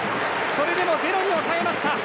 それでもゼロに抑えました。